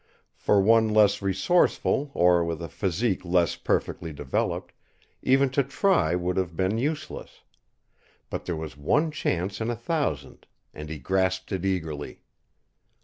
For one less resourceful or with a physique less perfectly developed, even to try would have been useless. But there was one chance in a thousand, and he grasped it eagerly.